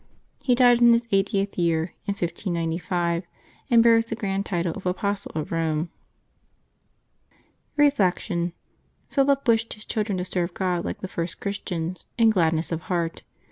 He died in his eightieth year, in 1595, and bears the grand title of Apostle of Eome. Reflection. — Philip wished his children to serve God, like the first Christians, in gladness of heart.